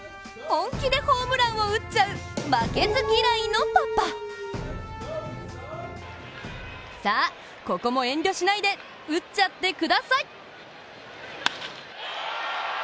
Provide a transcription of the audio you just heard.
本気でホームランを打っちゃう、負けず嫌いのパパさあ、ここも遠慮しないで打っちゃってください。